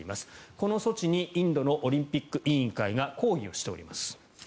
この措置にインドのオリンピック委員会が抗議をしています。